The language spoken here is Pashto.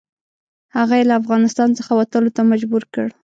هغه یې له افغانستان څخه وتلو ته مجبور کړ.